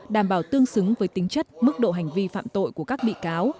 đảm bảo tương xứng với tính chất mức độ hành vi phạm tội của các bị cáo